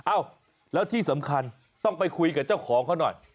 เอ้าแล้วที่สำคัญต้องไปคุยกับเจ้าของเขาหน่อย